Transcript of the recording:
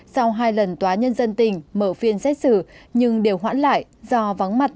sau hai lần tòa nhân dân tỉnh mở phiên xét xử nhưng đều hoãn lại do vắng mặt